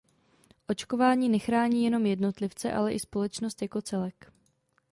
Očkování nechrání jenom jednotlivce, ale i společnost jako celek.